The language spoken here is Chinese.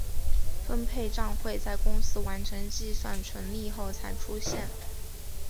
分配帐会在公司完成计算纯利后才出现。